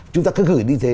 chúng ta cứ gửi đi thế